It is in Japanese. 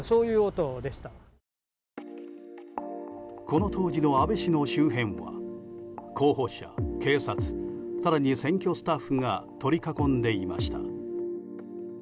この当時の安倍氏の周辺は候補者、警察更に選挙スタッフが取り囲んでいました。